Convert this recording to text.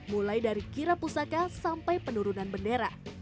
mulai dari kira pusaka sampai penurunan bendera